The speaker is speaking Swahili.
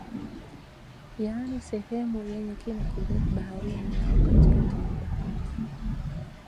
Yani sehemu yenye kina kirefu baharini au katikati mwa bahari